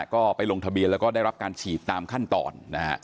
ก็ไปลงทะเบียนแล้วก็ได้รับการฉีดตามขั้นตอนนะฮะ